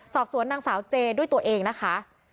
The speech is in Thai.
สอบสวนนางสาวเจด้วยตัวเองนะคะ